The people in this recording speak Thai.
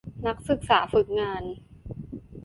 นักศึกษาฝึกงาน